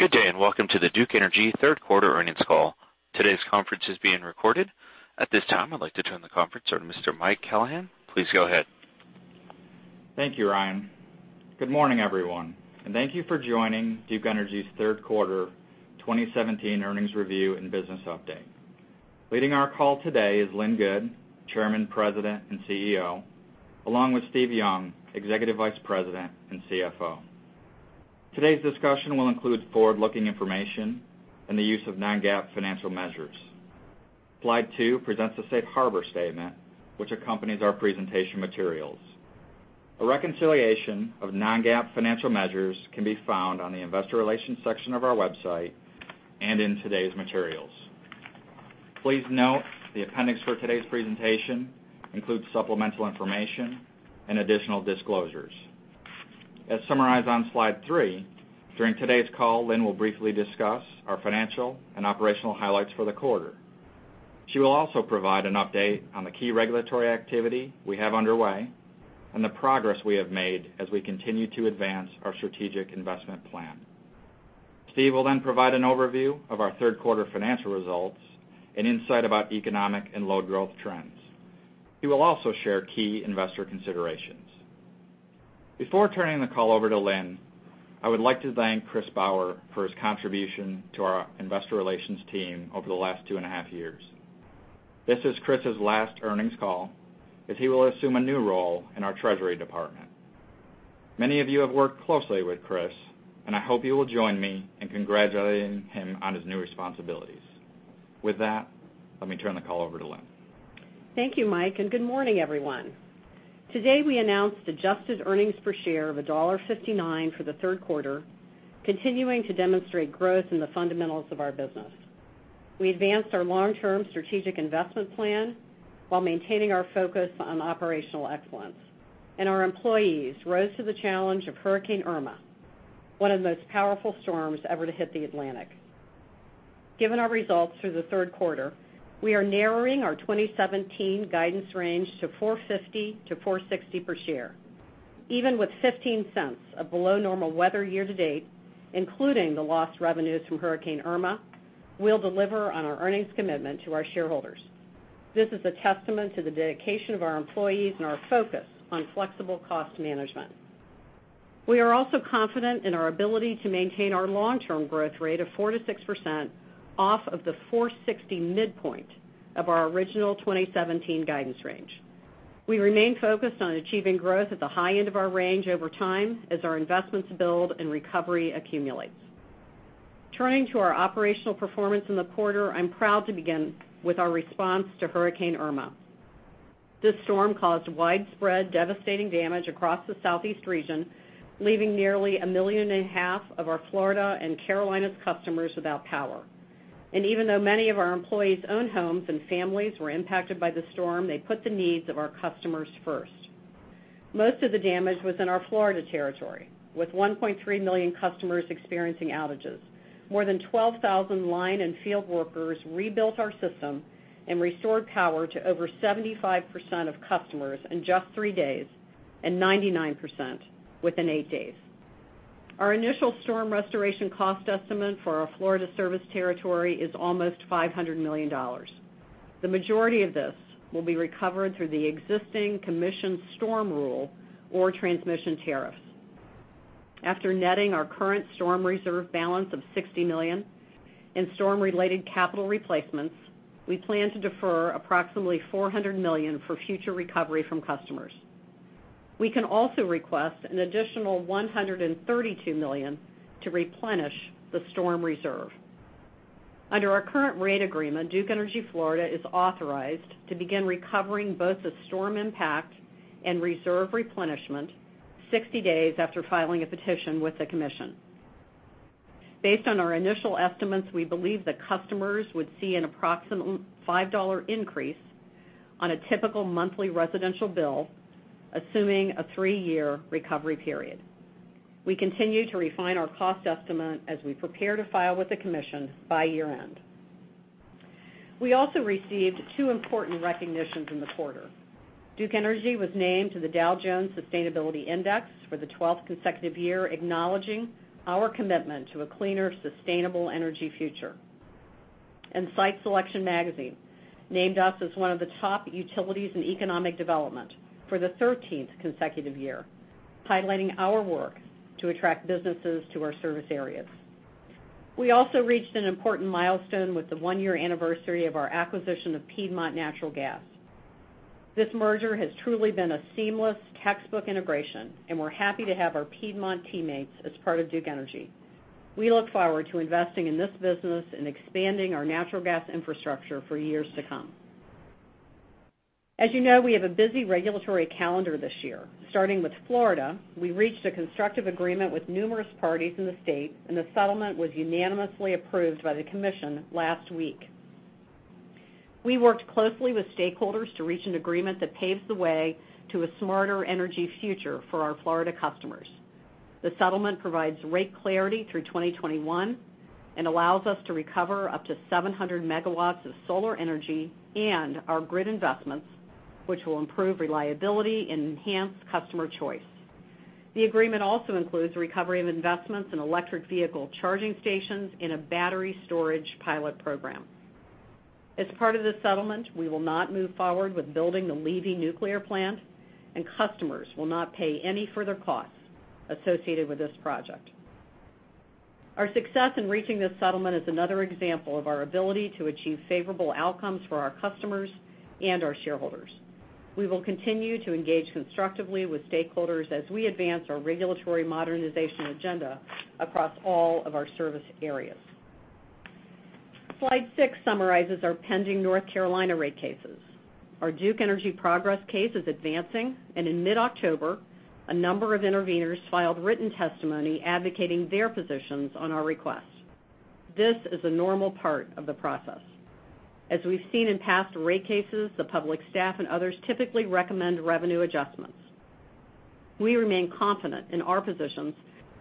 Good day. Welcome to the Duke Energy third quarter earnings call. Today's conference is being recorded. At this time, I'd like to turn the conference over to Mr. Michael Callahan. Please go ahead. Thank you, Ryan. Good morning, everyone. Thank you for joining Duke Energy's third quarter 2017 earnings review and business update. Leading our call today is Lynn Good, Chairman, President, and CEO, along with Steve Young, Executive Vice President and CFO. Today's discussion will include forward-looking information and the use of non-GAAP financial measures. Slide two presents the safe harbor statement, which accompanies our presentation materials. A reconciliation of non-GAAP financial measures can be found on the investor relations section of our website and in today's materials. Please note the appendix for today's presentation includes supplemental information and additional disclosures. As summarized on slide three, during today's call, Lynn will briefly discuss our financial and operational highlights for the quarter. She will also provide an update on the key regulatory activity we have underway and the progress we have made as we continue to advance our strategic investment plan. Steve will provide an overview of our third quarter financial results and insight about economic and load growth trends. He will also share key investor considerations. Before turning the call over to Lynn, I would like to thank Chris Bauer for his contribution to our investor relations team over the last two and a half years. This is Chris's last earnings call, as he will assume a new role in our treasury department. Many of you have worked closely with Chris. I hope you will join me in congratulating him on his new responsibilities. With that, let me turn the call over to Lynn. Thank you, Mike. Good morning, everyone. Today, we announced adjusted earnings per share of $1.59 for the third quarter, continuing to demonstrate growth in the fundamentals of our business. We advanced our long-term strategic investment plan while maintaining our focus on operational excellence. Our employees rose to the challenge of Hurricane Irma, one of the most powerful storms ever to hit the Atlantic. Given our results through the third quarter, we are narrowing our 2017 guidance range to $4.50 to $4.60 per share. Even with $0.15 of below normal weather year to date, including the lost revenues from Hurricane Irma, we'll deliver on our earnings commitment to our shareholders. This is a testament to the dedication of our employees and our focus on flexible cost management. We are also confident in our ability to maintain our long-term growth rate of 4% to 6% off of the 460 midpoint of our original 2017 guidance range. We remain focused on achieving growth at the high end of our range over time as our investments build and recovery accumulates. Turning to our operational performance in the quarter, I'm proud to begin with our response to Hurricane Irma. This storm caused widespread devastating damage across the southeast region, leaving nearly a million and a half of our Florida and Carolinas customers without power. Even though many of our employees' own homes and families were impacted by the storm, they put the needs of our customers first. Most of the damage was in our Florida territory, with 1.3 million customers experiencing outages. More than 12,000 line and field workers rebuilt our system and restored power to over 75% of customers in just three days and 99% within eight days. Our initial storm restoration cost estimate for our Florida service territory is almost $500 million. The majority of this will be recovered through the existing commission storm rule or transmission tariffs. After netting our current storm reserve balance of $60 million in storm-related capital replacements, we plan to defer approximately $400 million for future recovery from customers. We can also request an additional $132 million to replenish the storm reserve. Under our current rate agreement, Duke Energy Florida is authorized to begin recovering both the storm impact and reserve replenishment 60 days after filing a petition with the commission. Based on our initial estimates, we believe that customers would see an approximate $5 increase on a typical monthly residential bill, assuming a three-year recovery period. We continue to refine our cost estimate as we prepare to file with the commission by year-end. We also received two important recognitions in the quarter. Duke Energy was named to the Dow Jones Sustainability Index for the 12th consecutive year, acknowledging our commitment to a cleaner, sustainable energy future. Site Selection magazine named us as one of the top utilities in economic development for the 13th consecutive year, highlighting our work to attract businesses to our service areas. We also reached an important milestone with the one-year anniversary of our acquisition of Piedmont Natural Gas. This merger has truly been a seamless textbook integration, and we're happy to have our Piedmont teammates as part of Duke Energy. We look forward to investing in this business and expanding our natural gas infrastructure for years to come. As you know, we have a busy regulatory calendar this year. Starting with Florida, we reached a constructive agreement with numerous parties in the state, the settlement was unanimously approved by the commission last week. We worked closely with stakeholders to reach an agreement that paves the way to a smarter energy future for our Florida customers. The settlement provides rate clarity through 2021 and allows us to recover up to 700 MW of solar energy and our grid investments, which will improve reliability and enhance customer choice. The agreement also includes recovery of investments in electric vehicle charging stations in a battery storage pilot program. As part of this settlement, we will not move forward with building the Levy Nuclear Plant, and customers will not pay any further costs associated with this project. Our success in reaching this settlement is another example of our ability to achieve favorable outcomes for our customers and our shareholders. We will continue to engage constructively with stakeholders as we advance our regulatory modernization agenda across all of our service areas. Slide six summarizes our pending North Carolina rate cases. Our Duke Energy Progress case is advancing, and in mid-October, a number of interveners filed written testimony advocating their positions on our request. This is a normal part of the process. As we've seen in past rate cases, the Public Staff and others typically recommend revenue adjustments. We remain confident in our positions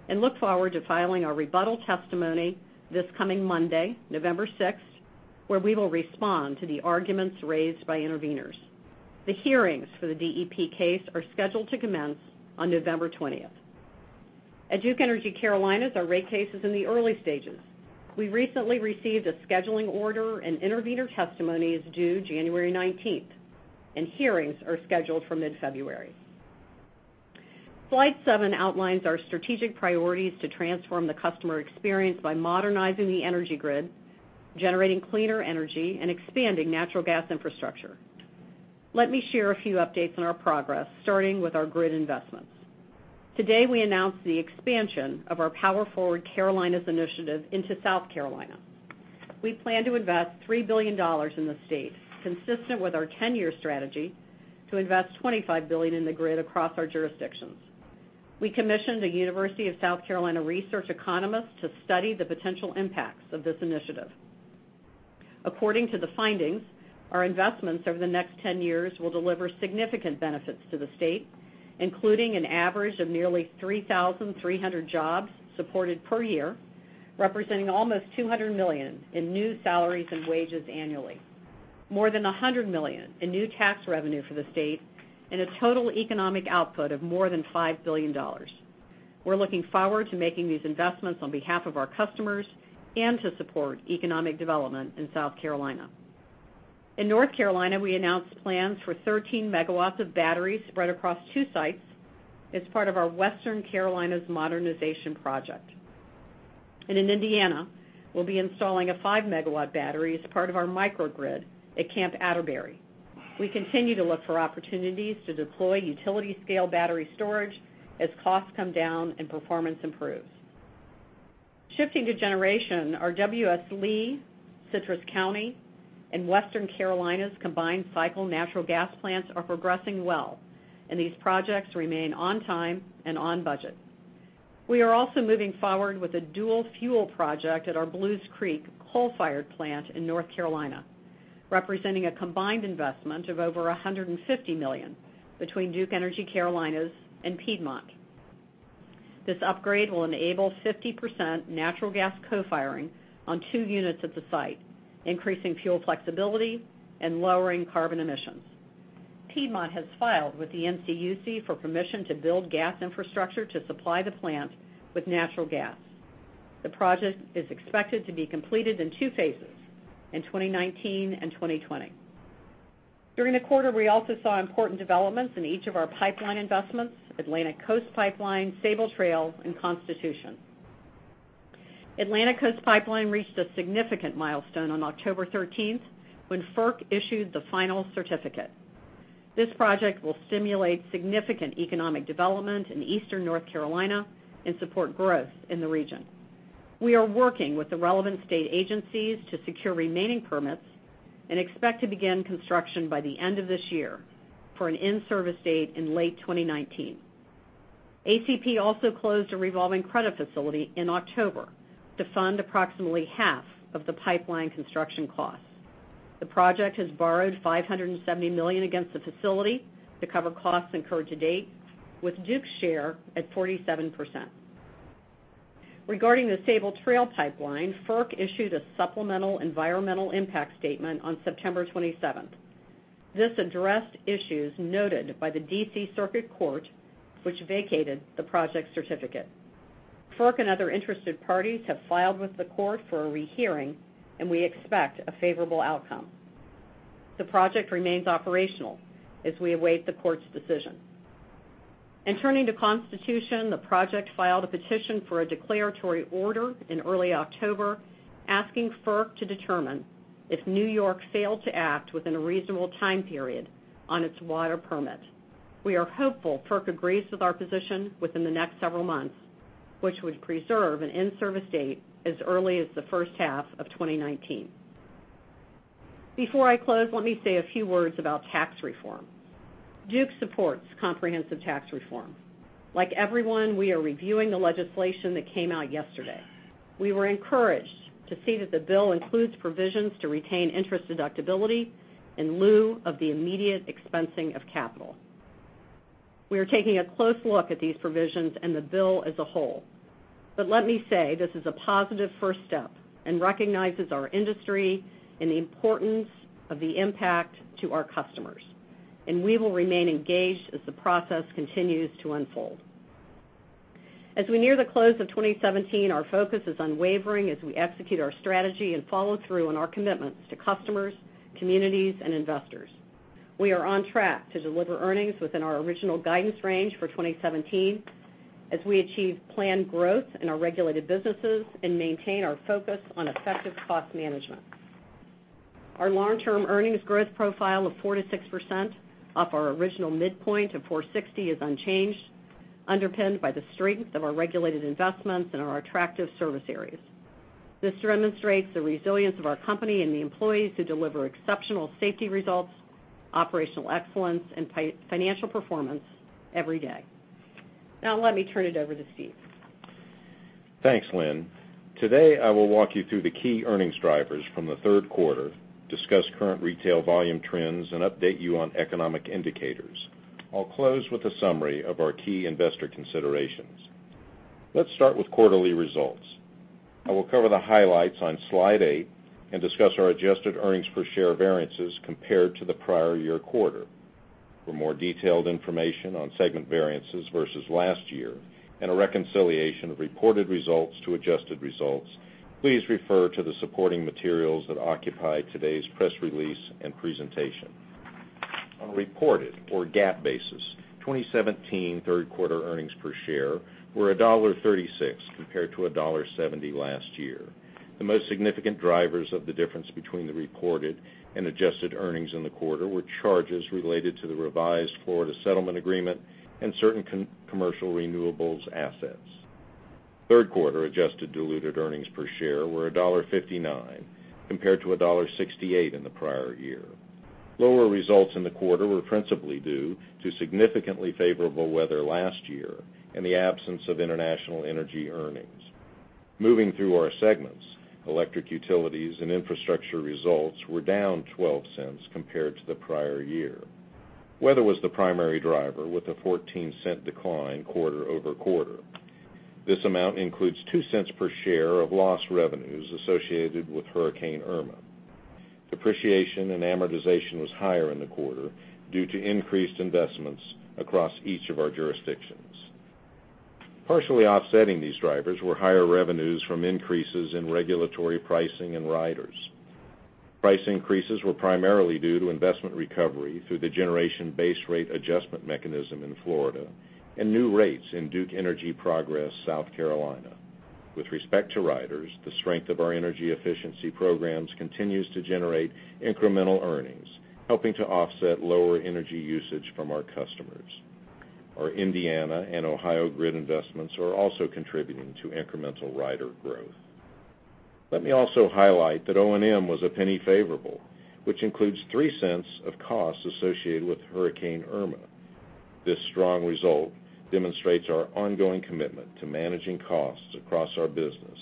and look forward to filing our rebuttal testimony this coming Monday, November 6th, where we will respond to the arguments raised by interveners. The hearings for the DEP case are scheduled to commence on November 20th. At Duke Energy Carolinas, our rate case is in the early stages. We recently received a scheduling order, and intervener testimony is due January 19th, and hearings are scheduled for mid-February. Slide seven outlines our strategic priorities to transform the customer experience by modernizing the energy grid, generating cleaner energy, and expanding natural gas infrastructure. Let me share a few updates on our progress, starting with our grid investments. Today, we announced the expansion of our Power/Forward Carolinas initiative into South Carolina. We plan to invest $3 billion in the state, consistent with our 10-year strategy to invest $25 billion in the grid across our jurisdictions. We commissioned a University of South Carolina research economist to study the potential impacts of this initiative. According to the findings, our investments over the next 10 years will deliver significant benefits to the state, including an average of nearly 3,300 jobs supported per year, representing almost $200 million in new salaries and wages annually. More than $100 million in new tax revenue for the state and a total economic output of more than $5 billion. We're looking forward to making these investments on behalf of our customers and to support economic development in South Carolina. In North Carolina, we announced plans for 13 megawatts of batteries spread across two sites as part of our Western Carolinas Modernization Project. And in Indiana, we'll be installing a five-megawatt battery as part of our microgrid at Camp Atterbury. We continue to look for opportunities to deploy utility-scale battery storage as costs come down and performance improves. Shifting to generation, our W.S. Lee, Citrus County, and Western Carolinas combined-cycle natural gas plants are progressing well, and these projects remain on time and on budget. We are also moving forward with a dual-fuel project at our Belews Creek coal-fired plant in North Carolina, representing a combined investment of over $150 million between Duke Energy Carolinas and Piedmont. This upgrade will enable 50% natural gas co-firing on two units at the site, increasing fuel flexibility and lowering carbon emissions. Piedmont has filed with the NCUC for permission to build gas infrastructure to supply the plant with natural gas. The project is expected to be completed in two phases, in 2019 and 2020. During the quarter, we also saw important developments in each of our pipeline investments, Atlantic Coast Pipeline, Sabal Trail, and Constitution. Atlantic Coast Pipeline reached a significant milestone on October 13th when FERC issued the final certificate. This project will stimulate significant economic development in eastern North Carolina and support growth in the region. We are working with the relevant state agencies to secure remaining permits and expect to begin construction by the end of this year for an in-service date in late 2019. ACP also closed a revolving credit facility in October to fund approximately half of the pipeline construction costs. The project has borrowed $570 million against the facility to cover costs incurred to date, with Duke's share at 47%. Regarding the Sabal Trail Pipeline, FERC issued a supplemental environmental impact statement on September 27th. This addressed issues noted by the D.C. Circuit Court, which vacated the project certificate. FERC and other interested parties have filed with the court for a rehearing, we expect a favorable outcome. The project remains operational as we await the court's decision. Turning to Constitution, the project filed a petition for a declaratory order in early October, asking FERC to determine if New York failed to act within a reasonable time period on its water permit. We are hopeful FERC agrees with our position within the next several months, which would preserve an in-service date as early as the first half of 2019. Before I close, let me say a few words about tax reform. Duke supports comprehensive tax reform. Like everyone, we are reviewing the legislation that came out yesterday. We were encouraged to see that the bill includes provisions to retain interest deductibility in lieu of the immediate expensing of capital. We are taking a close look at these provisions and the bill as a whole. Let me say, this is a positive first step and recognizes our industry and the importance of the impact to our customers, we will remain engaged as the process continues to unfold. As we near the close of 2017, our focus is unwavering as we execute our strategy and follow through on our commitments to customers, communities, and investors. We are on track to deliver earnings within our original guidance range for 2017 as we achieve planned growth in our regulated businesses and maintain our focus on effective cost management. Our long-term earnings growth profile of 4%-6%, off our original midpoint of $4.60 is unchanged, underpinned by the strength of our regulated investments and our attractive service areas. This demonstrates the resilience of our company and the employees who deliver exceptional safety results, operational excellence, and financial performance every day. Let me turn it over to Steve. Thanks, Lynn. Today, I will walk you through the key earnings drivers from the third quarter, discuss current retail volume trends, and update you on economic indicators. I'll close with a summary of our key investor considerations. Let's start with quarterly results. I will cover the highlights on slide eight and discuss our adjusted earnings per share variances compared to the prior year quarter. For more detailed information on segment variances versus last year and a reconciliation of reported results to adjusted results, please refer to the supporting materials that accompany today's press release and presentation. On a reported or GAAP basis, 2017 third quarter earnings per share were $1.36 compared to $1.70 last year. The most significant drivers of the difference between the reported and adjusted earnings in the quarter were charges related to the revised Florida settlement agreement and certain commercial renewables assets. Third quarter adjusted diluted earnings per share were $1.59 compared to $1.68 in the prior year. Lower results in the quarter were principally due to significantly favorable weather last year and the absence of international energy earnings. Moving through our segments, electric utilities and infrastructure results were down $0.12 compared to the prior year. Weather was the primary driver with a $0.14 decline quarter-over-quarter. This amount includes $0.02 per share of lost revenues associated with Hurricane Irma. Depreciation and amortization was higher in the quarter due to increased investments across each of our jurisdictions. Partially offsetting these drivers were higher revenues from increases in regulatory pricing and riders. Price increases were primarily due to investment recovery through the generation base rate adjustment mechanism in Florida and new rates in Duke Energy Progress, South Carolina. With respect to riders, the strength of our energy efficiency programs continues to generate incremental earnings, helping to offset lower energy usage from our customers. Our Indiana and Ohio grid investments are also contributing to incremental rider growth. Let me also highlight that O&M was $0.01 favorable, which includes $0.03 of costs associated with Hurricane Irma. This strong result demonstrates our ongoing commitment to managing costs across our business,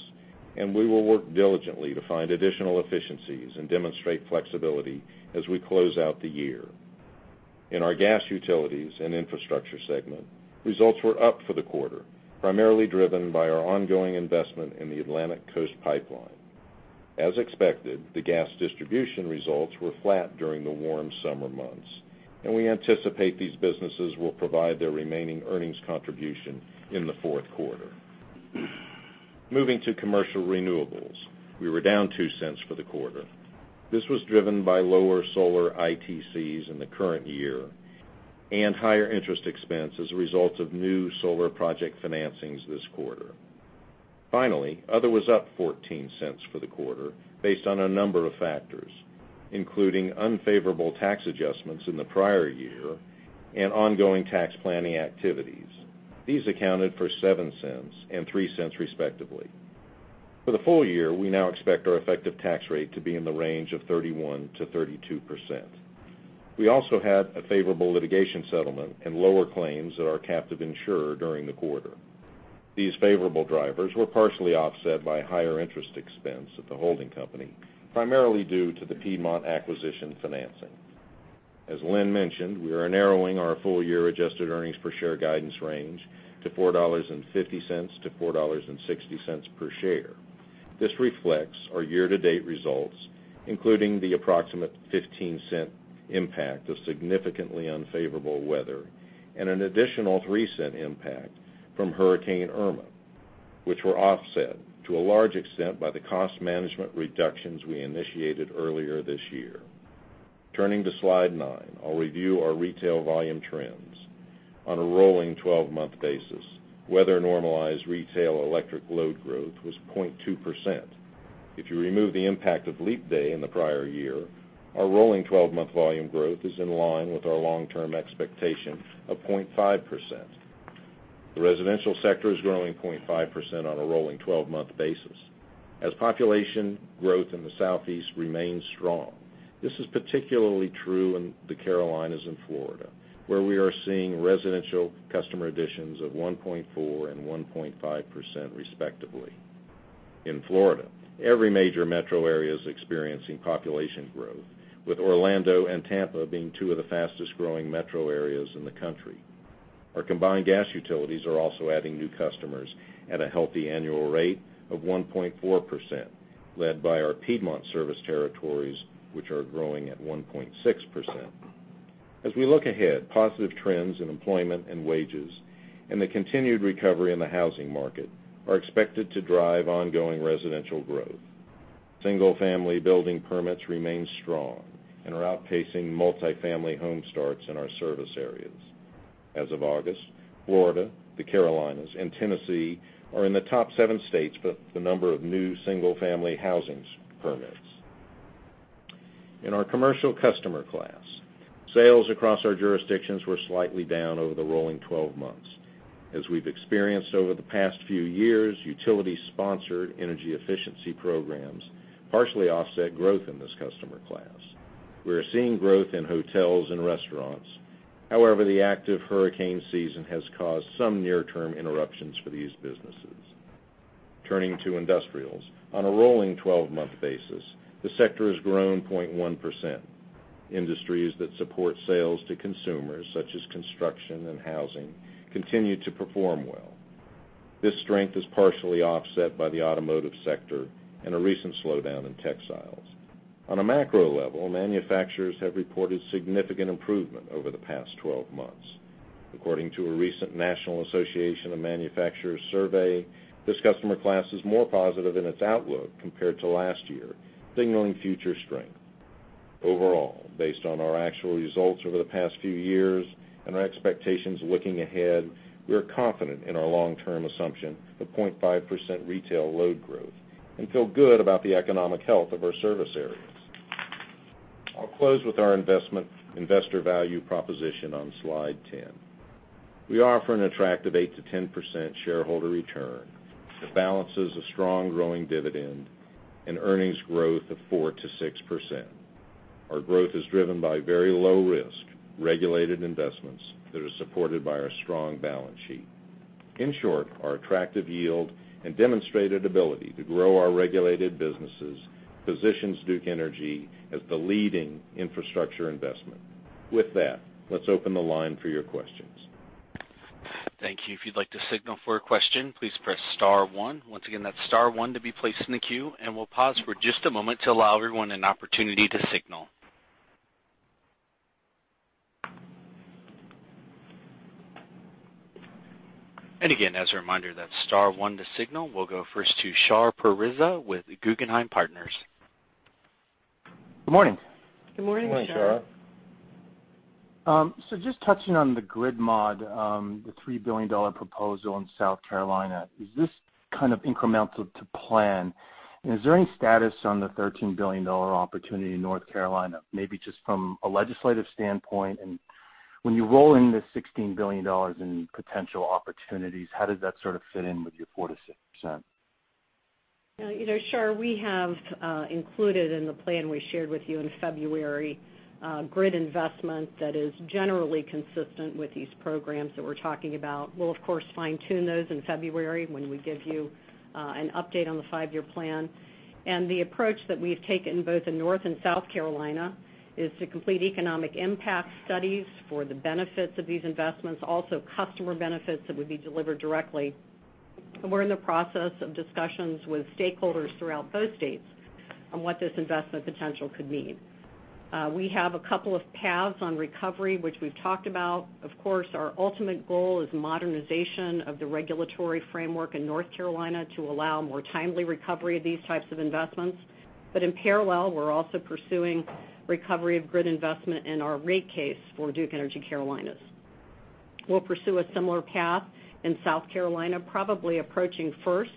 and we will work diligently to find additional efficiencies and demonstrate flexibility as we close out the year. In our gas, utilities, and infrastructure segment, results were up for the quarter, primarily driven by our ongoing investment in the Atlantic Coast Pipeline. As expected, the gas distribution results were flat during the warm summer months, and we anticipate these businesses will provide their remaining earnings contribution in the fourth quarter. Moving to commercial renewables, we were down $0.02 for the quarter. This was driven by lower solar ITCs in the current year and higher interest expense as a result of new solar project financings this quarter. Finally, other was up $0.14 for the quarter based on a number of factors, including unfavorable tax adjustments in the prior year and ongoing tax planning activities. These accounted for $0.07 and $0.03 respectively. For the full year, we now expect our effective tax rate to be in the range of 31%-32%. We also had a favorable litigation settlement and lower claims at our captive insurer during the quarter. These favorable drivers were partially offset by higher interest expense at the holding company, primarily due to the Piedmont acquisition financing. As Lynn mentioned, we are narrowing our full-year adjusted earnings per share guidance range to $4.50-$4.60 per share. This reflects our year-to-date results, including the approximate $0.15 impact of significantly unfavorable weather and an additional $0.03 impact from Hurricane Irma, which were offset to a large extent by the cost management reductions we initiated earlier this year. Turning to slide nine, I'll review our retail volume trends. On a rolling 12-month basis, weather-normalized retail electric load growth was 0.2%. If you remove the impact of leap day in the prior year, our rolling 12-month volume growth is in line with our long-term expectation of 0.5%. The residential sector is growing 0.5% on a rolling 12-month basis as population growth in the Southeast remains strong. This is particularly true in the Carolinas and Florida, where we are seeing residential customer additions of 1.4% and 1.5% respectively. In Florida, every major metro area is experiencing population growth, with Orlando and Tampa being two of the fastest-growing metro areas in the country. Our combined gas utilities are also adding new customers at a healthy annual rate of 1.4%, led by our Piedmont service territories, which are growing at 1.6%. As we look ahead, positive trends in employment and wages and the continued recovery in the housing market are expected to drive ongoing residential growth. Single-family building permits remain strong and are outpacing multi-family home starts in our service areas. As of August, Florida, the Carolinas, and Tennessee are in the top seven states for the number of new single-family housing permits. In our commercial customer class, sales across our jurisdictions were slightly down over the rolling 12 months. As we've experienced over the past few years, utility-sponsored energy efficiency programs partially offset growth in this customer class. We are seeing growth in hotels and restaurants. However, the active hurricane season has caused some near-term interruptions for these businesses. Turning to industrials. On a rolling 12-month basis, the sector has grown 0.1%. Industries that support sales to consumers, such as construction and housing, continue to perform well. This strength is partially offset by the automotive sector and a recent slowdown in textiles. On a macro level, manufacturers have reported significant improvement over the past 12 months. According to a recent National Association of Manufacturers survey, this customer class is more positive in its outlook compared to last year, signaling future strength. Overall, based on our actual results over the past few years and our expectations looking ahead, we are confident in our long-term assumption of 0.5% retail load growth and feel good about the economic health of our service areas. I'll close with our investor value proposition on slide 10. We offer an attractive 8%-10% shareholder return that balances a strong growing dividend and earnings growth of 4%-6%. Our growth is driven by very low risk, regulated investments that are supported by our strong balance sheet. In short, our attractive yield and demonstrated ability to grow our regulated businesses positions Duke Energy as the leading infrastructure investment. With that, let's open the line for your questions. Thank you. If you'd like to signal for a question, please press star one. Once again, that's star one to be placed in the queue, and we'll pause for just a moment to allow everyone an opportunity to signal. Again, as a reminder, that's star one to signal. We'll go first to Shar Pourreza with Guggenheim Partners. Good morning. Good morning, Shar. Good morning, Shar. Just touching on the grid mod, the $3 billion proposal in South Carolina. Is this kind of incremental to plan? Is there any status on the $13 billion opportunity in North Carolina, maybe just from a legislative standpoint? When you roll in this $16 billion in potential opportunities, how does that sort of fit in with your 4%-6%? Shar, we have included in the plan we shared with you in February grid investment that is generally consistent with these programs that we're talking about. We'll, of course, fine-tune those in February when we give you an update on the five-year plan. The approach that we've taken both in North and South Carolina is to complete economic impact studies for the benefits of these investments, also customer benefits that would be delivered directly. We're in the process of discussions with stakeholders throughout both states on what this investment potential could mean. We have a couple of paths on recovery, which we've talked about. Of course, our ultimate goal is modernization of the regulatory framework in North Carolina to allow more timely recovery of these types of investments. But in parallel, we're also pursuing recovery of grid investment in our rate case for Duke Energy Carolinas. We'll pursue a similar path in South Carolina, probably approaching first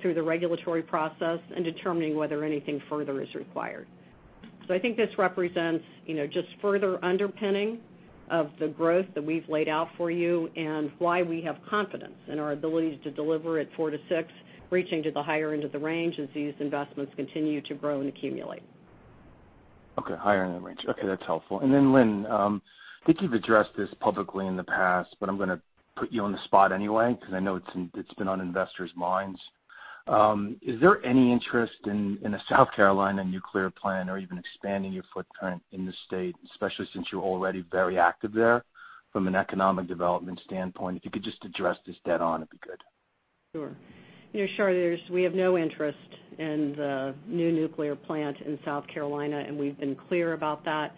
through the regulatory process and determining whether anything further is required. I think this represents just further underpinning of the growth that we've laid out for you and why we have confidence in our ability to deliver at 4%-6%, reaching to the higher end of the range as these investments continue to grow and accumulate. Okay. Higher end of the range. Okay. That's helpful. Lynn, I think you've addressed this publicly in the past, but I'm going to put you on the spot anyway because I know it's been on investors' minds. Is there any interest in a South Carolina nuclear plant or even expanding your footprint in the state, especially since you're already very active there from an economic development standpoint? If you could just address this dead on, it'd be good. Sure. Shar, we have no interest in the new nuclear plant in South Carolina, and we've been clear about that.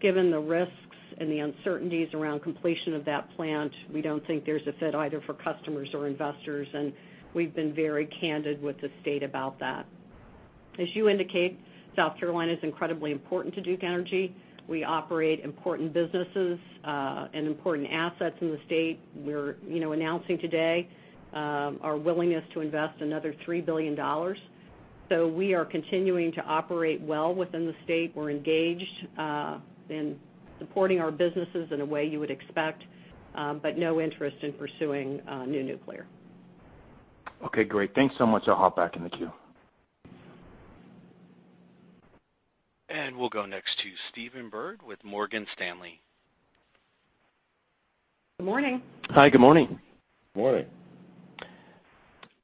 Given the risks and the uncertainties around completion of that plant, we don't think there's a fit either for customers or investors, and we've been very candid with the state about that. As you indicate, South Carolina is incredibly important to Duke Energy. We operate important businesses and important assets in the state. We're announcing today our willingness to invest another $3 billion. We are continuing to operate well within the state. We're engaged in supporting our businesses in a way you would expect, but no interest in pursuing new nuclear. Okay, great. Thanks so much. I'll hop back in the queue. We'll go next to Stephen Byrd with Morgan Stanley. Good morning. Hi, good morning. Morning.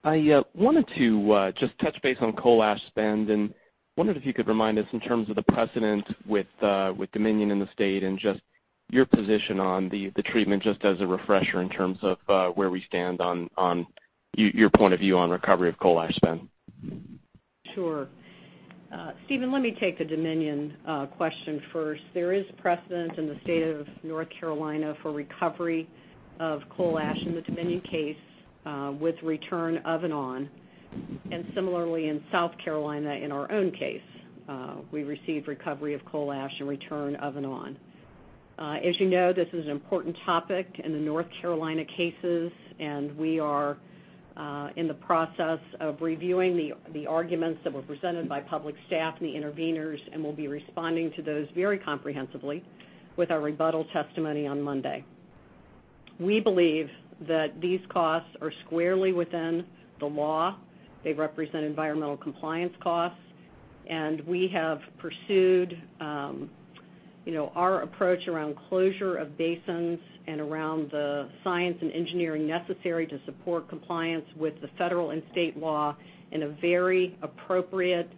I wanted to just touch base on coal ash spend. Wondered if you could remind us in terms of the precedent with Dominion in the state. Just your position on the treatment, just as a refresher in terms of where we stand on your point of view on recovery of coal ash spend. Sure. Stephen, let me take the Dominion question first. There is precedent in the state of North Carolina for recovery of coal ash in the Dominion case, with return of and on. Similarly, in South Carolina, in our own case, we received recovery of coal ash in return of and on. You know, this is an important topic in the North Carolina cases. We are in the process of reviewing the arguments that were presented by Public Staff and the interveners, and we'll be responding to those very comprehensively with our rebuttal testimony on Monday. We believe that these costs are squarely within the law. They represent environmental compliance costs. We have pursued our approach around closure of basins and around the science and engineering necessary to support compliance with the federal and state law in a very appropriate,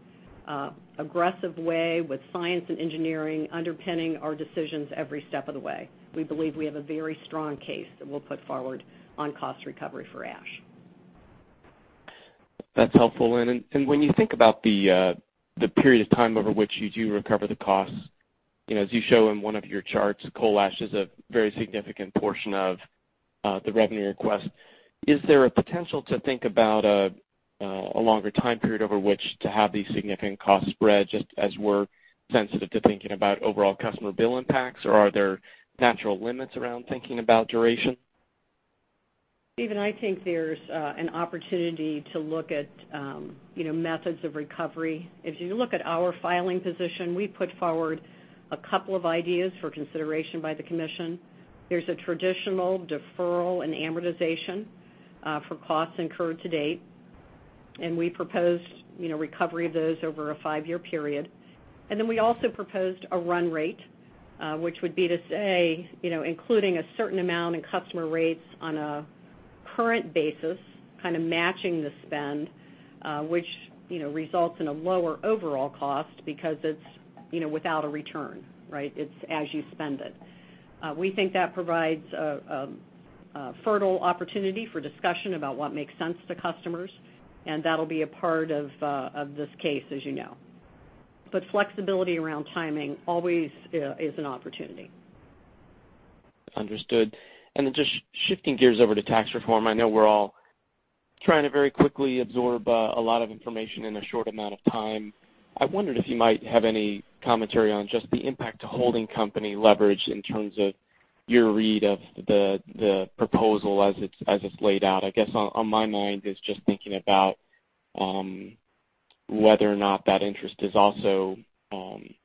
aggressive way with science and engineering underpinning our decisions every step of the way. We believe we have a very strong case that we'll put forward on cost recovery for ash. That's helpful. When you think about the period of time over which you do recover the costs, as you show in one of your charts, coal ash is a very significant portion of the revenue request. Is there a potential to think about a longer time period over which to have these significant costs spread, just as we're sensitive to thinking about overall customer bill impacts? Or are there natural limits around thinking about duration? Stephen, I think there's an opportunity to look at methods of recovery. If you look at our filing position, we put forward a couple of ideas for consideration by the commission. There's a traditional deferral and amortization for costs incurred to date. We proposed recovery of those over a five-year period. We also proposed a run rate, which would be to say, including a certain amount in customer rates on a current basis, kind of matching the spend, which results in a lower overall cost because it's without a return, right? It's as you spend it. We think that provides a fertile opportunity for discussion about what makes sense to customers, and that'll be a part of this case, as you know. Flexibility around timing always is an opportunity. Understood. Just shifting gears over to tax reform. I know we're all trying to very quickly absorb a lot of information in a short amount of time. I wondered if you might have any commentary on just the impact to holding company leverage in terms of your read of the proposal as it's laid out. I guess on my mind is just thinking about whether or not that interest is also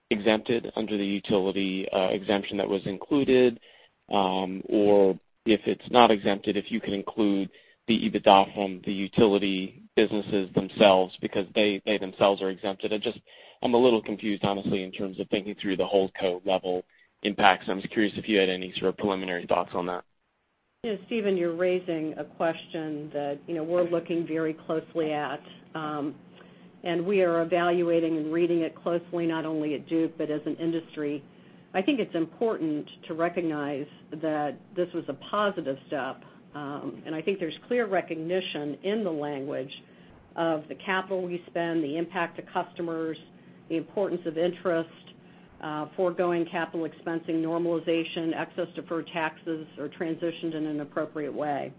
exempted under the utility exemption that was included, or if it's not exempted, if you can include the EBITDA from the utility businesses themselves because they themselves are exempted. I'm a little confused honestly, in terms of thinking through the holdco level impact. I'm just curious if you had any sort of preliminary thoughts on that. Yeah, Stephen, you're raising a question that we're looking very closely at. We are evaluating and reading it closely, not only at Duke, but as an industry. I think it's important to recognize that this was a positive step, and I think there's clear recognition in the language of the capital we spend, the impact to customers, the importance of interest, foregoing capital expensing normalization, excess deferred taxes are transitioned in an appropriate way.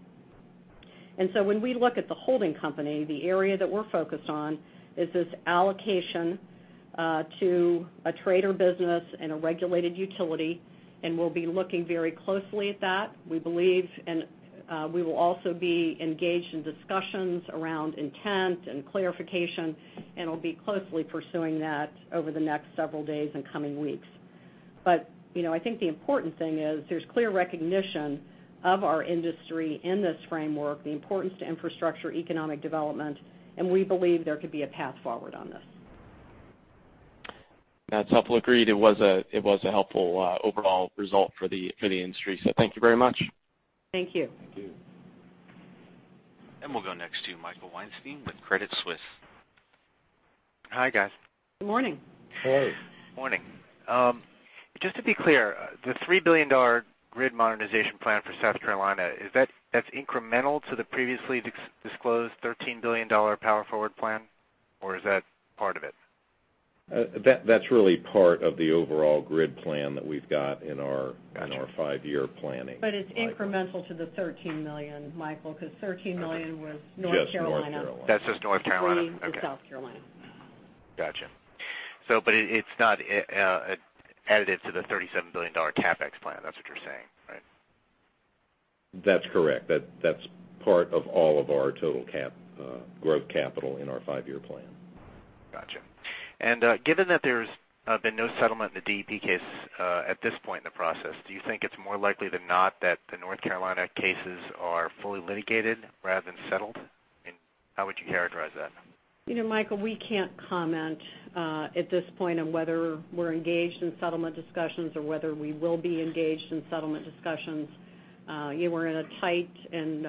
When we look at the holding company, the area that we're focused on is this allocation to a trade or business and a regulated utility, and we'll be looking very closely at that. We believe, and we will also be engaged in discussions around intent and clarification, and we'll be closely pursuing that over the next several days and coming weeks. I think the important thing is there's clear recognition of our industry in this framework, the importance to infrastructure, economic development, and we believe there could be a path forward on this. That's helpful. Agreed. It was a helpful overall result for the industry. Thank you very much. Thank you. Thank you. We'll go next to Michael Weinstein with Credit Suisse. Hi, guys. Good morning. Hey. Morning. Just to be clear, the $3 billion grid modernization plan for South Carolina, that's incremental to the previously disclosed $13 billion Power/Forward plan, or is that part of it? That's really part of the overall grid plan that we've got in our- Got you five-year planning. It's incremental to the $13 billion, Michael, because $13 billion was North Carolina. Just North Carolina. That's just North Carolina. Okay. Including the South Carolina. Got you. It's not added to the $37 billion CapEx plan. That's what you're saying, right? That's correct. That's part of all of our total growth capital in our five-year plan. Got you. Given that there's been no settlement in the DEP case at this point in the process, do you think it's more likely than not that the North Carolina cases are fully litigated rather than settled? How would you characterize that? Michael, we can't comment at this point on whether we're engaged in settlement discussions or whether we will be engaged in settlement discussions. We're in a tight and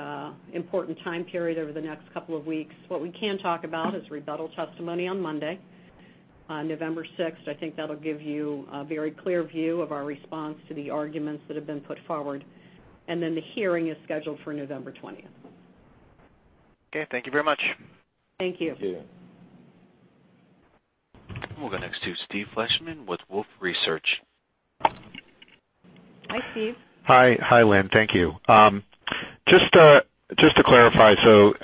important time period over the next couple of weeks. What we can talk about is rebuttal testimony on Monday, on November 6th. I think that'll give you a very clear view of our response to the arguments that have been put forward. Then the hearing is scheduled for November 20th. Okay, thank you very much. Thank you. Thank you. We'll go next to Steve Fleishman with Wolfe Research. Hi, Steve. Hi, Lynn. Thank you. Just to clarify,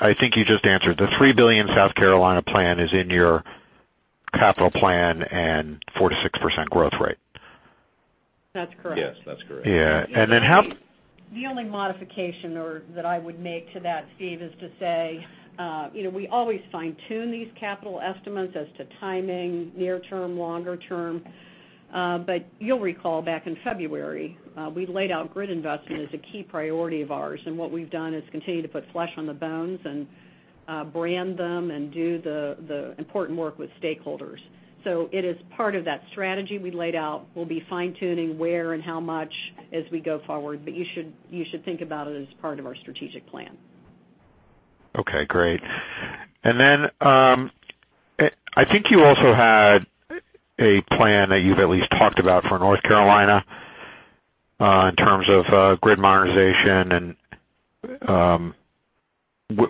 I think you just answered, the $3 billion South Carolina plan is in your capital plan and 4% to 6% growth rate. That's correct. Yes, that's correct. Yeah. The only modification or that I would make to that, Steve, is to say, we always fine-tune these capital estimates as to timing, near term, longer term. You'll recall back in February, we laid out grid investment as a key priority of ours, and what we've done is continue to put flesh on the bones and brand them and do the important work with stakeholders. It is part of that strategy we laid out. We'll be fine-tuning where and how much as we go forward, but you should think about it as part of our strategic plan. Okay, great. I think you also had a plan that you've at least talked about for North Carolina, in terms of grid modernization, and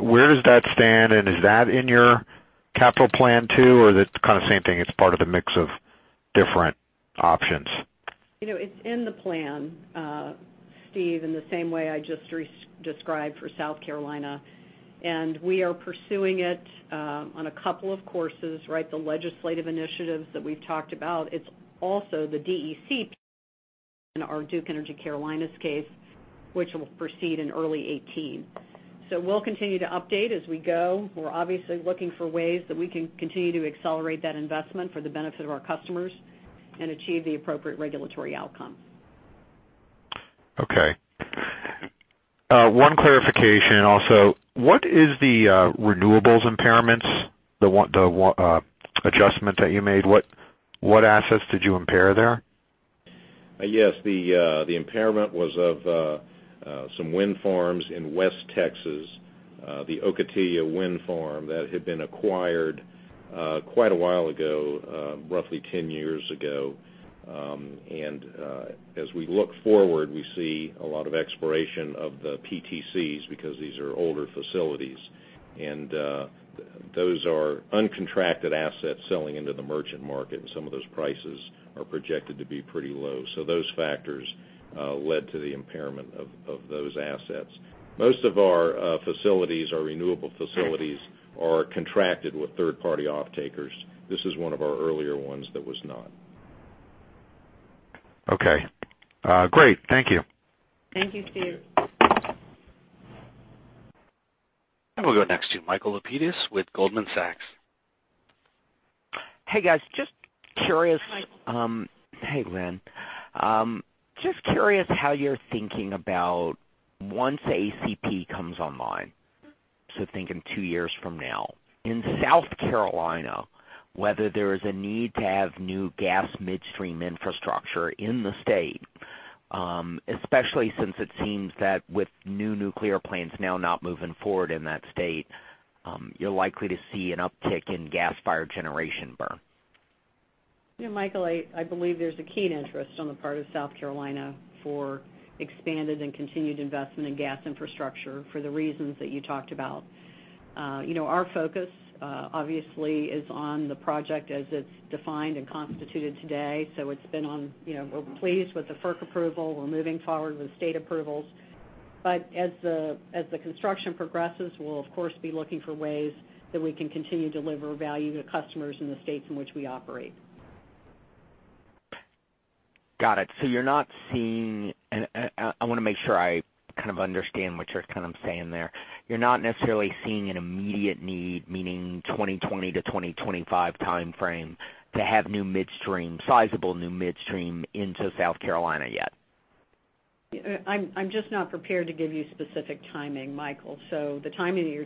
where does that stand and is that in your capital plan too, or is it kind of same thing, it's part of the mix of different options? It's in the plan, Steve, in the same way I just described for South Carolina, and we are pursuing it on a couple of courses, right? The legislative initiatives that we've talked about. It's also the DEC in our Duke Energy Carolinas case, which will proceed in early 2018. We'll continue to update as we go. We're obviously looking for ways that we can continue to accelerate that investment for the benefit of our customers and achieve the appropriate regulatory outcome. Okay. One clarification also, what is the renewables impairments, the adjustment that you made? What assets did you impair there? Yes. The impairment was of some wind farms in West Texas, the Ocotillo Wind Farm that had been acquired quite a while ago, roughly 10 years ago. As we look forward, we see a lot of expiration of the PTCs because these are older facilities. Those are uncontracted assets selling into the merchant market, and some of those prices are projected to be pretty low. Those factors led to the impairment of those assets. Most of our facilities, our renewable facilities are contracted with third-party offtakers. This is one of our earlier ones that was not. Okay. Great. Thank you. Thank you, Steve. Thank you. We'll go next to Michael Lapides with Goldman Sachs. Hey, guys. Just curious. Hi. Hey, Lynn. Just curious how you're thinking about once ACP comes online, so thinking 2 years from now, in South Carolina, whether there is a need to have new gas midstream infrastructure in the state, especially since it seems that with new nuclear plants now not moving forward in that state, you're likely to see an uptick in gas-fired generation burn. Michael, I believe there's a keen interest on the part of South Carolina for expanded and continued investment in gas infrastructure for the reasons that you talked about. Our focus, obviously is on the project as it's defined and constituted today. We're pleased with the FERC approval. We're moving forward with state approvals. As the construction progresses, we'll of course, be looking for ways that we can continue to deliver value to customers in the states in which we operate. Got it. You're not seeing, and I want to make sure I kind of understand what you're kind of saying there. You're not necessarily seeing an immediate need, meaning 2020 to 2025 timeframe to have new midstream, sizable new midstream into South Carolina yet? I'm just not prepared to give you specific timing, Michael. The timing that you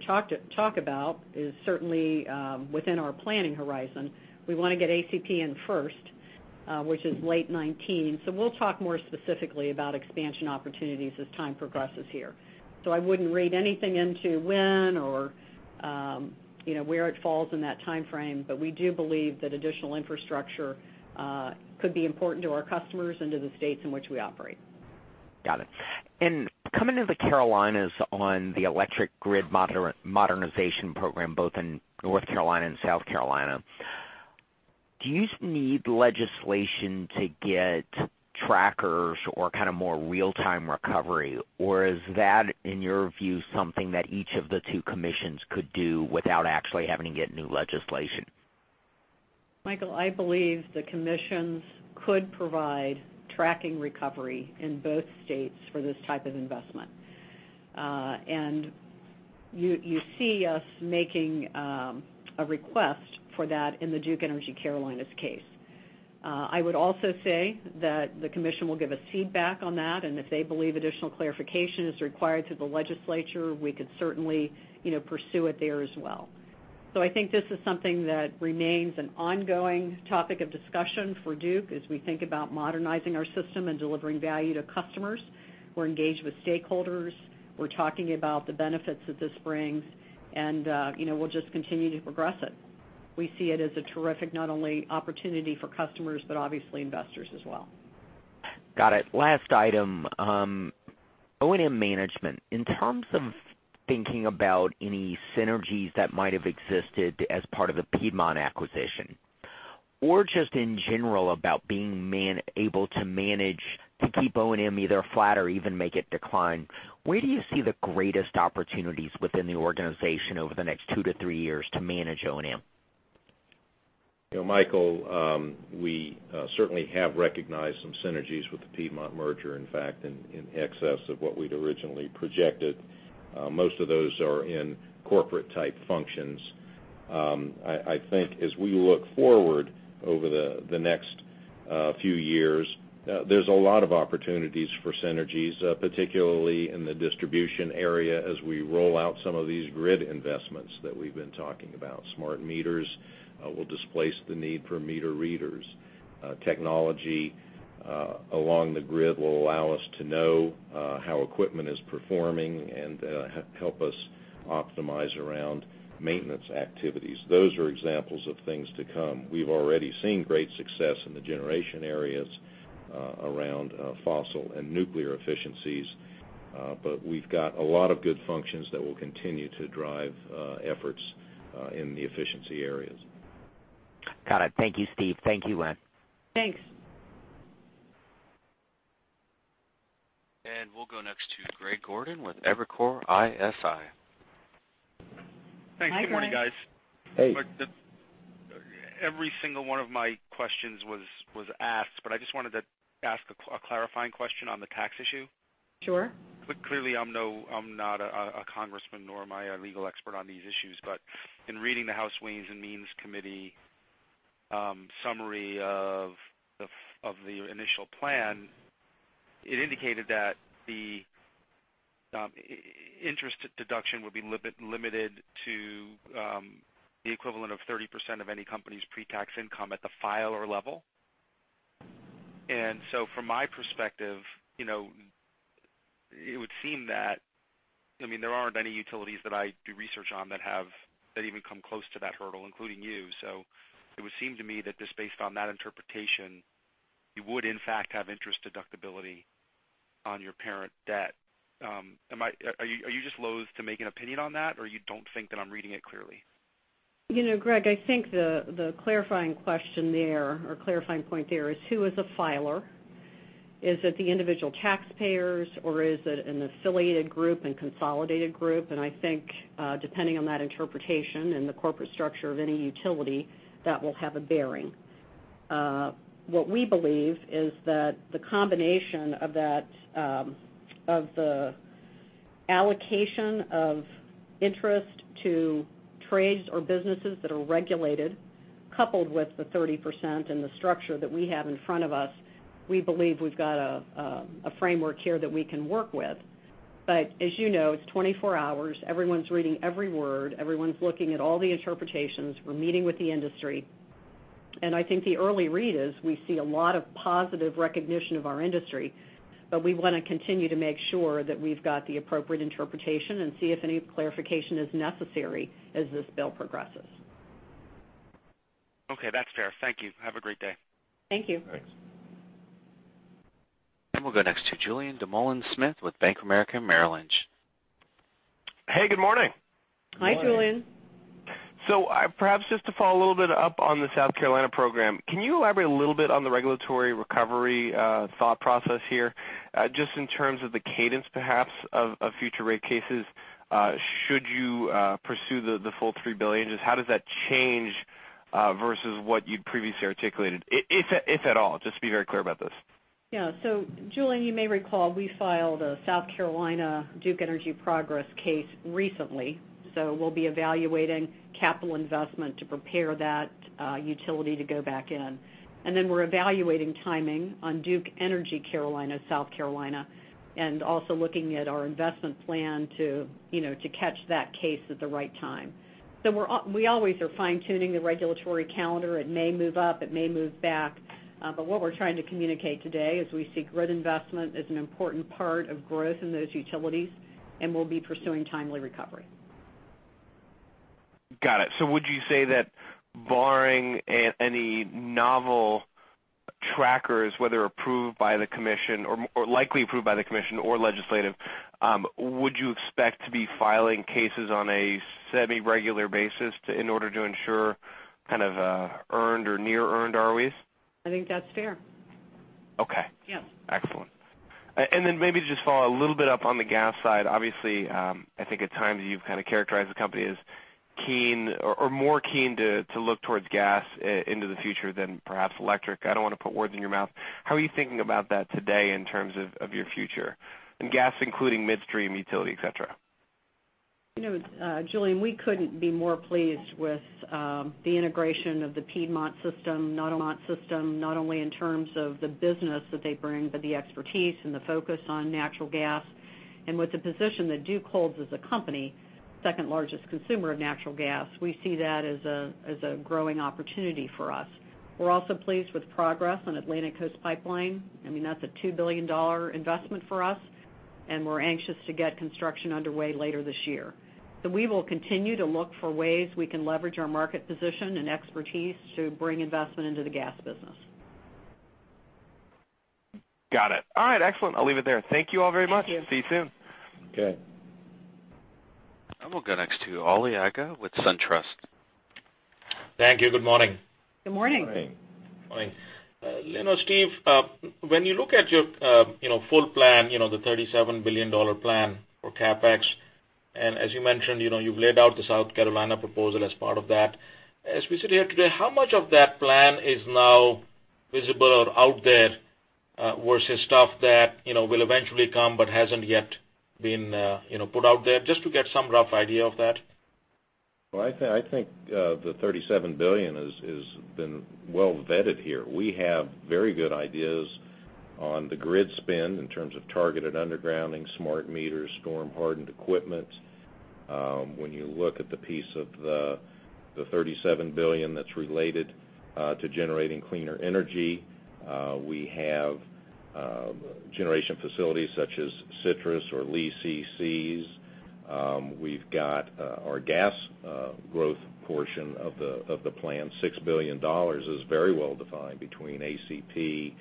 talk about is certainly within our planning horizon. We want to get ACP in first, which is late 2019. We'll talk more specifically about expansion opportunities as time progresses here. I wouldn't read anything into when or where it falls in that timeframe, we do believe that additional infrastructure could be important to our customers and to the states in which we operate. Got it. Coming to the Carolinas on the electric grid modernization program, both in North Carolina and South Carolina, do you need legislation to get trackers or kind of more real-time recovery, or is that, in your view, something that each of the two commissions could do without actually having to get new legislation? Michael, I believe the commissions could provide tracking recovery in both states for this type of investment. You see us making a request for that in the Duke Energy Carolinas case. The commission will give us feedback on that, and if they believe additional clarification is required to the legislature, we could certainly pursue it there as well. I think this is something that remains an ongoing topic of discussion for Duke as we think about modernizing our system and delivering value to customers. We're engaged with stakeholders. We're talking about the benefits that this brings, and we'll just continue to progress it. We see it as a terrific not only opportunity for customers, but obviously investors as well. Got it. Last item. O&M management. In terms of thinking about any synergies that might have existed as part of the Piedmont acquisition, or just in general about being able to manage to keep O&M either flat or even make it decline, where do you see the greatest opportunities within the organization over the next two to three years to manage O&M? Michael, we certainly have recognized some synergies with the Piedmont merger, in fact, in excess of what we'd originally projected. Most of those are in corporate-type functions. I think as we look forward over the next few years, there's a lot of opportunities for synergies, particularly in the distribution area as we roll out some of these grid investments that we've been talking about. Smart meters will displace the need for meter readers. Technology along the grid will allow us to know how equipment is performing and help us optimize around maintenance activities. Those are examples of things to come. We've already seen great success in the generation areas around fossil and nuclear efficiencies. We've got a lot of good functions that will continue to drive efforts in the efficiency areas. Got it. Thank you, Steve. Thank you, Lynn. Thanks. We'll go next to Greg Gordon with Evercore ISI. Hi, Greg. Hey. Every single one of my questions was asked, but I just wanted to ask a clarifying question on the tax issue. Sure. Clearly, I'm not a congressman, nor am I a legal expert on these issues, but in reading the House Ways and Means Committee summary of the initial plan, it indicated that the interest deduction would be limited to the equivalent of 30% of any company's pre-tax income at the filer level. From my perspective, it would seem that, there aren't many utilities that I do research on that even come close to that hurdle, including you. It would seem to me that just based on that interpretation, you would in fact have interest deductibility on your parent debt. Are you just loath to make an opinion on that, or you don't think that I'm reading it clearly? Greg, I think the clarifying question there, or clarifying point there is who is a filer? Is it the individual taxpayers, or is it an affiliated group and consolidated group? I think, depending on that interpretation and the corporate structure of any utility, that will have a bearing. What we believe is that the combination of the allocation of interest to trades or businesses that are regulated, coupled with the 30% and the structure that we have in front of us, we believe we've got a framework here that we can work with. As you know, it's 24 hours. Everyone's reading every word. Everyone's looking at all the interpretations. We're meeting with the industry. I think the early read is we see a lot of positive recognition of our industry, but we want to continue to make sure that we've got the appropriate interpretation and see if any clarification is necessary as this bill progresses. Okay, that's fair. Thank you. Have a great day. Thank you. Thanks. We'll go next to Julien Dumoulin-Smith with Bank of America Merrill Lynch. Hey, good morning. Hi, Julien. Good morning. Perhaps just to follow a little bit up on the South Carolina program, can you elaborate a little bit on the regulatory recovery thought process here, just in terms of the cadence, perhaps, of future rate cases? Should you pursue the full $3 billion? Just how does that change versus what you'd previously articulated, if at all? Just to be very clear about this. Yeah. Julien, you may recall, we filed a South Carolina Duke Energy Progress case recently. We'll be evaluating capital investment to prepare that utility to go back in. We're evaluating timing on Duke Energy Carolinas, South Carolina, and also looking at our investment plan to catch that case at the right time. We always are fine-tuning the regulatory calendar. It may move up, it may move back. What we're trying to communicate today is we see grid investment as an important part of growth in those utilities, and we'll be pursuing timely recovery. Got it. Would you say that barring any novel trackers, whether approved by the commission or likely approved by the commission or legislative, would you expect to be filing cases on a semi-regular basis in order to ensure kind of earned or near earned ROEs? I think that's fair. Okay. Yeah. Then maybe to just follow a little bit up on the gas side. I think at times you've kind of characterized the company as keen or more keen to look towards gas into the future than perhaps electric. I don't want to put words in your mouth. How are you thinking about that today in terms of your future? Gas including midstream, utility, et cetera. Julien, we couldn't be more pleased with the integration of the Piedmont system, not only in terms of the business that they bring, but the expertise and the focus on natural gas. With the position that Duke holds as a company, second-largest consumer of natural gas, we see that as a growing opportunity for us. We're also pleased with progress on Atlantic Coast Pipeline. That's a $2 billion investment for us, and we're anxious to get construction underway later this year. We will continue to look for ways we can leverage our market position and expertise to bring investment into the gas business. Got it. All right, excellent. I'll leave it there. Thank you all very much. Thank you. See you soon. Okay. I will go next to Ali Agha with SunTrust. Thank you. Good morning. Good morning. Good morning. Morning. Steve, when you look at your full plan, the $37 billion plan for CapEx, and as you mentioned, you've laid out the South Carolina proposal as part of that. Specifically here today, how much of that plan is now visible or out there versus stuff that will eventually come but hasn't yet been put out there? Just to get some rough idea of that. Well, I think the $37 billion has been well-vetted here. We have very good ideas on the grid spend in terms of targeted undergrounding, smart meters, storm-hardened equipment. When you look at the piece of the $37 billion that's related to generating cleaner energy, we have generation facilities such as Citrus or Lee CCs. We've got our gas growth portion of the plan, $6 billion, is very well-defined between ACP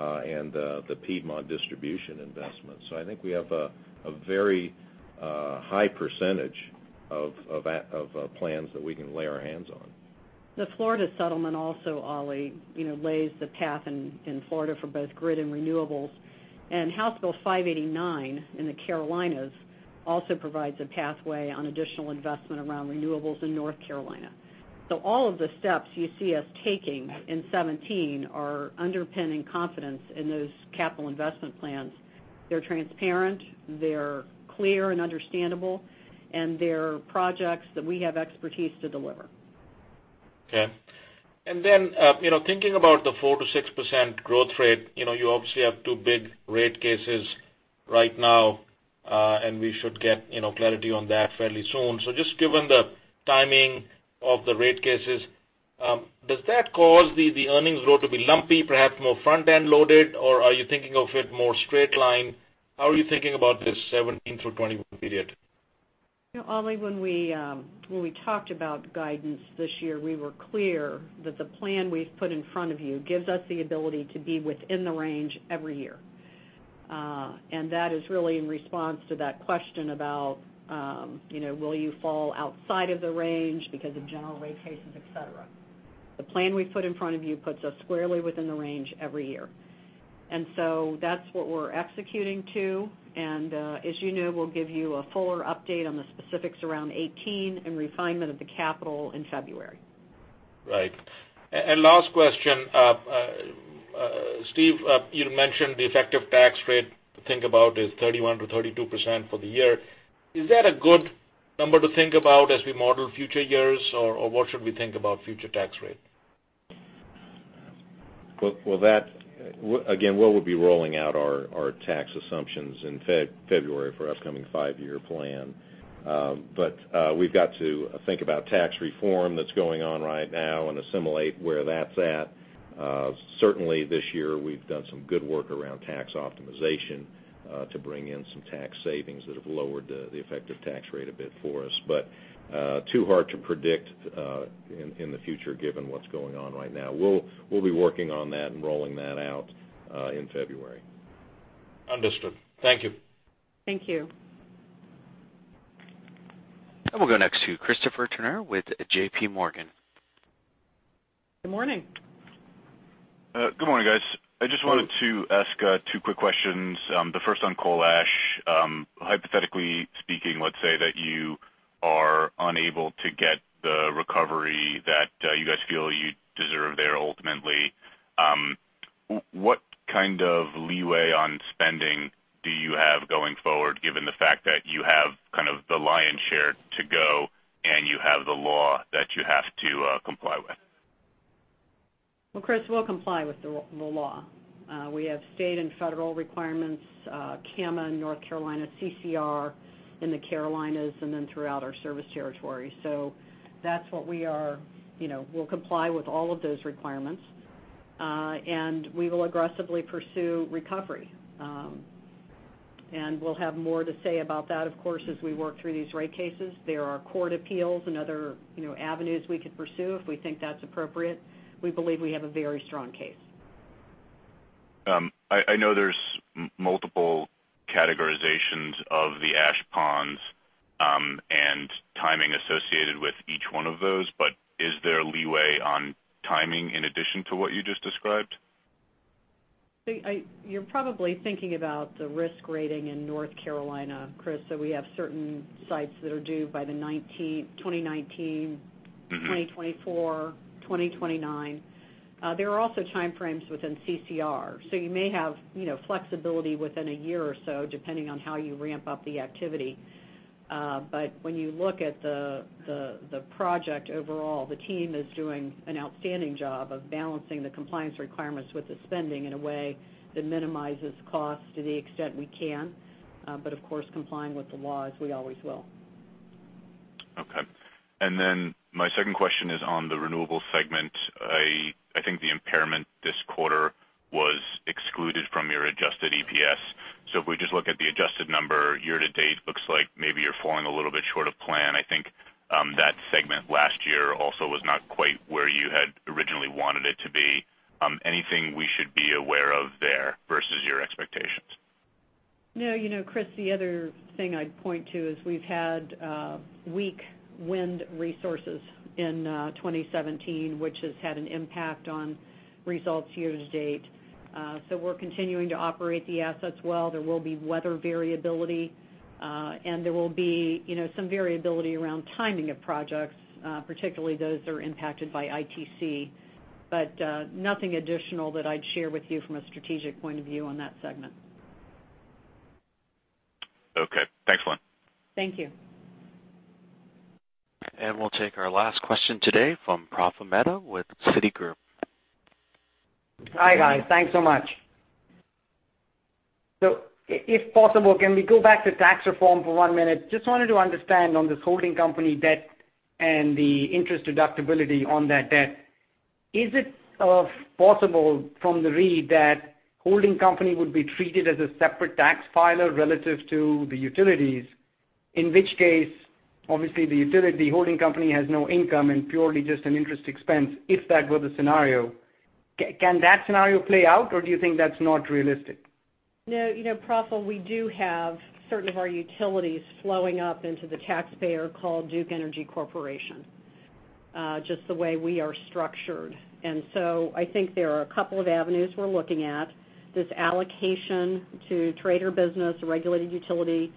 and the Piedmont distribution investment. I think we have a very high percentage of plans that we can lay our hands on. The Florida settlement also, Ali, lays the path in Florida for both grid and renewables. House Bill 589 in the Carolinas also provides a pathway on additional investment around renewables in North Carolina. All of the steps you see us taking in 2017 are underpinning confidence in those capital investment plans. They're transparent, they're clear and understandable, and they're projects that we have expertise to deliver. Okay. Thinking about the 4%-6% growth rate, you obviously have two big rate cases right now. We should get clarity on that fairly soon. Just given the timing of the rate cases, does that cause the earnings growth to be lumpy, perhaps more front-end loaded, or are you thinking of it more straight line? How are you thinking about this 2017-2021 period? Ali, when we talked about guidance this year, we were clear that the plan we've put in front of you gives us the ability to be within the range every year. That is really in response to that question about will you fall outside of the range because of general rate cases, et cetera. The plan we've put in front of you puts us squarely within the range every year. That's what we're executing to. As you know, we'll give you a fuller update on the specifics around 2018 and refinement of the capital in February. Right. Last question. Steve, you'd mentioned the effective tax rate to think about is 31%-32% for the year. Is that a good number to think about as we model future years, or what should we think about future tax rate? Well, again, we'll be rolling out our tax assumptions in February for upcoming five-year plan. We've got to think about tax reform that's going on right now and assimilate where that's at. Certainly this year, we've done some good work around tax optimization to bring in some tax savings that have lowered the effective tax rate a bit for us. Too hard to predict in the future given what's going on right now. We'll be working on that and rolling that out in February. Understood. Thank you. Thank you. We'll go next to Christopher Turner with JPMorgan. Good morning. Good morning, guys. I just wanted to ask two quick questions. The first on coal ash. Hypothetically speaking, let's say that you are unable to get the recovery that you guys feel you deserve there ultimately. What kind of leeway on spending do you have going forward, given the fact that you have kind of the lion's share to go, and you have the law that you have to comply with? Well, Chris, we'll comply with the law. We have state and federal requirements, CAMA in North Carolina, CCR in the Carolinas, and then throughout our service territory. We'll comply with all of those requirements. We will aggressively pursue recovery. We'll have more to say about that, of course, as we work through these rate cases. There are court appeals and other avenues we could pursue if we think that's appropriate. We believe we have a very strong case. I know there's multiple categorizations of the ash ponds, and timing associated with each one of those, but is there leeway on timing in addition to what you just described? You're probably thinking about the risk rating in North Carolina, Chris. We have certain sites that are due by 2019 2024, 2029. There are also time frames within CCR. You may have flexibility within a year or so, depending on how you ramp up the activity. When you look at the project overall, the team is doing an outstanding job of balancing the compliance requirements with the spending in a way that minimizes cost to the extent we can. Of course, complying with the law, as we always will. Okay. My second question is on the renewable segment. I think the impairment this quarter was excluded from your adjusted EPS. If we just look at the adjusted number year to date, looks like maybe you're falling a little bit short of plan. I think that segment last year also was not quite where you had originally wanted it to be. Anything we should be aware of there versus your expectations? No, Chris, the other thing I'd point to is we've had weak wind resources in 2017, which has had an impact on results year to date. We're continuing to operate the assets well. There will be weather variability, and there will be some variability around timing of projects, particularly those that are impacted by ITC. Nothing additional that I'd share with you from a strategic point of view on that segment. Okay, thanks, Lynn. Thank you. We'll take our last question today from Praful Mehta with Citigroup. Hi, guys. Thanks so much. If possible, can we go back to tax reform for one minute? Just wanted to understand on this holding company debt and the interest deductibility on that debt, is it possible from the read that holding company would be treated as a separate tax filer relative to the utilities? In which case, obviously, the utility holding company has no income and purely just an interest expense if that were the scenario. Can that scenario play out, or do you think that's not realistic? No, Praful, we do have certain of our utilities flowing up into the taxpayer called Duke Energy Corporation, just the way we are structured. I think there are a couple of avenues we're looking at. This allocation to trade or business, regulated utility,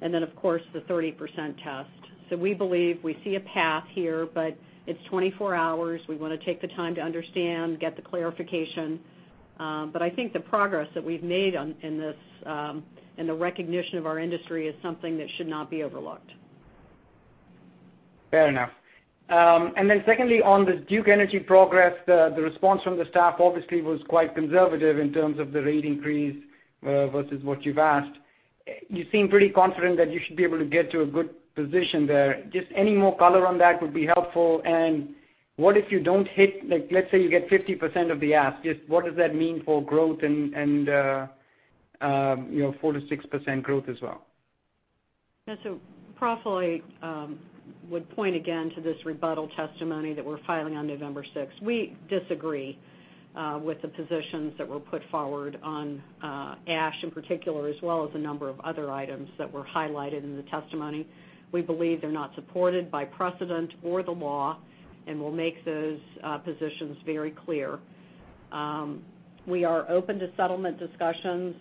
and then, of course, the 30% test. We believe we see a path here, but it's 24 hours. We want to take the time to understand, get the clarification. I think the progress that we've made in the recognition of our industry is something that should not be overlooked. Fair enough. Secondly, on the Duke Energy Progress, the response from the staff obviously was quite conservative in terms of the rate increase versus what you've asked. You seem pretty confident that you should be able to get to a good position there. Just any more color on that would be helpful. What if you don't hit, like let's say you get 50% of the ask, just what does that mean for growth and 4%-6% growth as well? Praful, I would point again to this rebuttal testimony that we're filing on November 6th. We disagree with the positions that were put forward on ash in particular, as well as a number of other items that were highlighted in the testimony. We believe they're not supported by precedent or the law. We'll make those positions very clear. We are open to settlement discussions.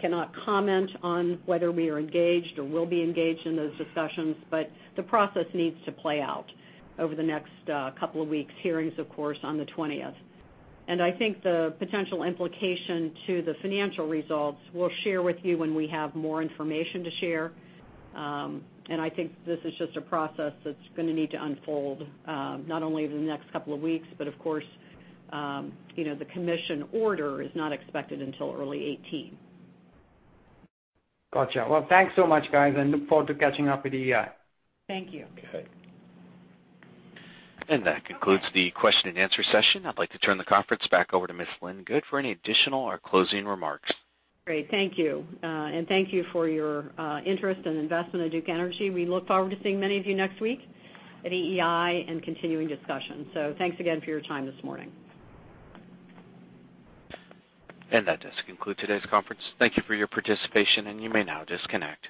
Cannot comment on whether we are engaged or will be engaged in those discussions. The process needs to play out over the next couple of weeks, hearings of course, on the 20th. I think the potential implication to the financial results, we'll share with you when we have more information to share. I think this is just a process that's going to need to unfold, not only over the next couple of weeks, but of course the commission order is not expected until early 2018. Gotcha. Well, thanks so much, guys. Look forward to catching up at EEI. Thank you. Okay. That concludes the question and answer session. I'd like to turn the conference back over to Ms. Lynn Good for any additional or closing remarks. Great. Thank you. Thank you for your interest and investment in Duke Energy. We look forward to seeing many of you next week at EEI and continuing discussions. Thanks again for your time this morning. That does conclude today's conference. Thank you for your participation, and you may now disconnect.